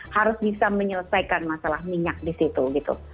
harus bisa menyelesaikan masalah minyak di situ gitu